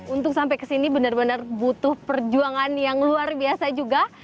untuk sampai ke sini benar benar butuh perjuangan yang luar biasa juga